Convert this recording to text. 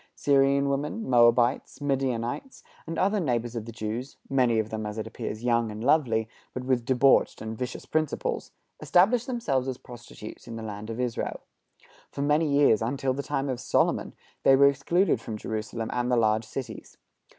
Syrian women, Moabites, Midianites, and other neighbors of the Jews many of them, as it appears, young and lovely, but with debauched and vicious principles established themselves as prostitutes in the land of Israel. For many years, until the time of Solomon, they were excluded from Jerusalem and the large cities.